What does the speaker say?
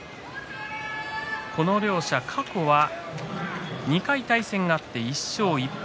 この両者、過去は２回対戦があって１勝１敗。